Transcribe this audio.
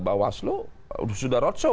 bawaslu sudah rotso